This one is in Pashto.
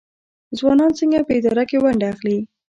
ځوانان څنګه په اداره کې ونډه اخلي؟